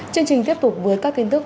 chương trình tiếp tục với các tin tức